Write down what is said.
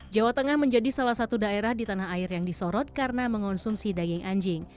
jawa tengah menjadi salah satu daerah di tanah air yang disorot karena mengonsumsi daging anjing